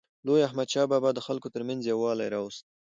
لوی احمدشاه بابا د خلکو ترمنځ یووالی راوست.